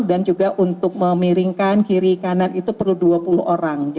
dan juga untuk memiringkan kiri kanan itu perlu dua puluh orang